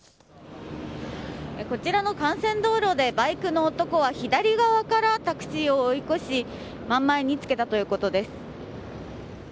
こちらの幹線道路でバイクの男は左側からタクシーを追い越し、前につけたということです。